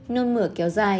nôn mửa kéo dài